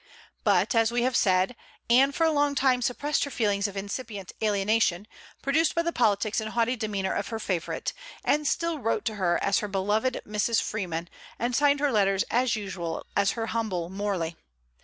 But, as we have said, Anne for a long time suppressed her feelings of incipient alienation, produced by the politics and haughty demeanor of her favorite, and still wrote to her as her beloved Mrs. Freeman, and signed her letters, as usual, as her humble Morley.